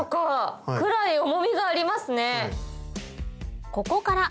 ぐらい重みがありますね。